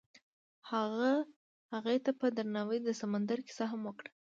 هغه هغې ته په درناوي د سمندر کیسه هم وکړه.